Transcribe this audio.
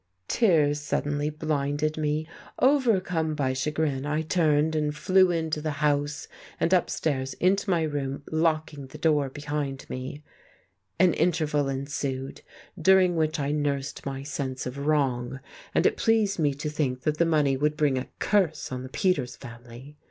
Tears suddenly blinded me. Overcome by chagrin, I turned and flew into the house and upstairs into my room, locking the door behind me. An interval ensued, during which I nursed my sense of wrong, and it pleased me to think that the money would bring a curse on the Peters family.